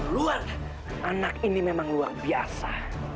luar anak ini memang luar biasa